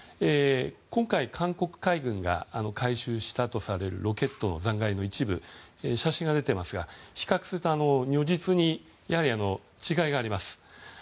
今回、韓国海軍が回収したとされるロケットの残骸の一部写真が出ていますが比較すると如実に違いがあります。